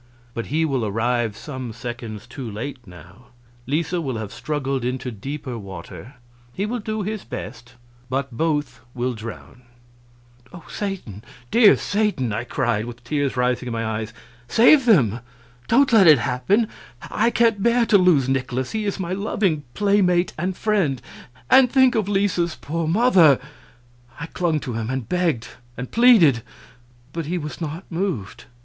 But he will arrive some seconds too late, now; Lisa will have struggled into deeper water. He will do his best, but both will drown." "Oh, Satan! Oh, dear Satan!" I cried, with the tears rising in my eyes, "save them! Don't let it happen. I can't bear to lose Nikolaus, he is my loving playmate and friend; and think of Lisa's poor mother!" I clung to him and begged and pleaded, but he was not moved.